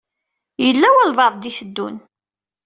Yella walbaɛḍ i d-iteddun.